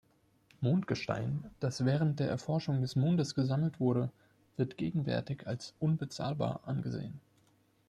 Mondgestein, das während der Erforschung des Mondes gesammelt wurde, wird gegenwärtig als unbezahlbar angesehen.